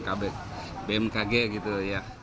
tapi itu semoga agak contoh